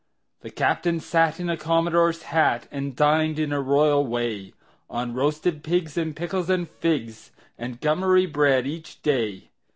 The captain sat in a commodore's hat And dined, in a royal way, On toasted pigs and pickles and figs And gummery bread, each day.